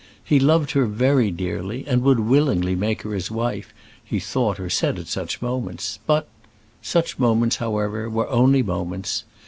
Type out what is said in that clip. He loved her very dearly, and would willingly make her his wife, he thought or said at such moments; but Such moments, however, were only moments.